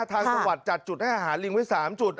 ทางจัดจุดให้อาหารลิงไว้๓จุด